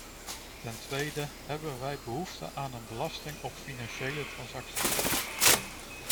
Ten tweede, hebben wij behoefte aan een belasting op financiële transacties?